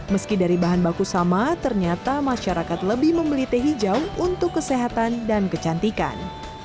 meski dari bahan baku sama ternyata masyarakat lebih membeli teh hijau untuk kesehatan dan kecantikan